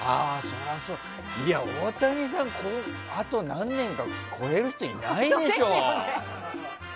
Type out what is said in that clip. いや、大谷さんをあと何年か超える人いないでしょ。